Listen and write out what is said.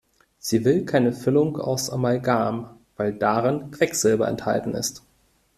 Sie will keine Füllung aus Amalgam, weil darin Quecksilber enthalten ist.